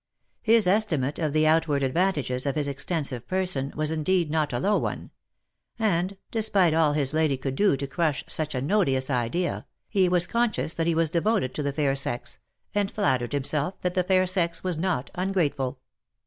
His estimate of the outward advan tages of his extensive person was indeed not a low one ; and, despite all his lady could do to crush such an odious idea, he was conscious that he was devoted to the fair sex, and flattered himself that the fair sex was not ungrateful.